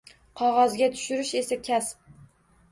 Qog`ozga tushirish esa kasb